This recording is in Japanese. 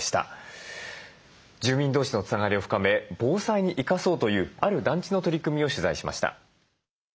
住民同士のつながりを深め防災に生かそうというある団地の取り組みを取材しました。